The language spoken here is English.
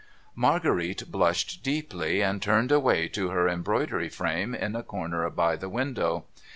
Marguerite blushed deeply, and turned away to her embroidery frame in a corner by the window.